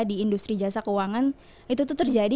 di industri jasa keuangan itu terjadi